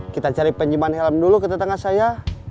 kita cari penyimpanan helm dulu ke tetangga saya